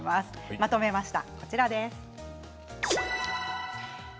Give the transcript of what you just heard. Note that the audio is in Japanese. まとめました。